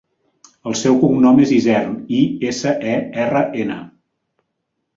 El seu cognom és Isern: i, essa, e, erra, ena.